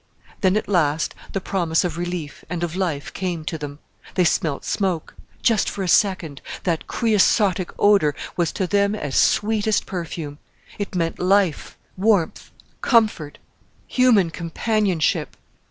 Then, at last, the promise of relief and of life came to them. They smelt smoke. Just for a second! that creosotic odour was to them as sweetest perfume. It meant life, warmth, comfort, human companionship.